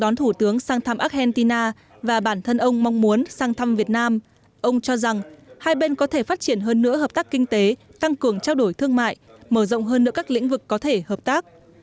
đón thủ tướng sang thăm argentina và bản thân ông mong muốn sang thăm việt nam ông cho rằng hai bên có thể phát triển hơn nữa hợp tác kinh tế tăng cường trao đổi thương mại mở rộng hơn nữa các lĩnh vực có thể hợp tác